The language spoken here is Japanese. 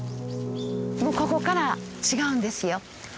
ここから違うんですよ。